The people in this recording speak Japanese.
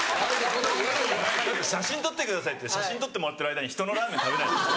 「写真撮ってください」って写真撮ってもらってる間に人のラーメン食べない。